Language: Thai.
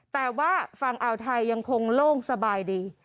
แต่ว่าฝั่งอ่าวไทยยังคงโล่งสบายดี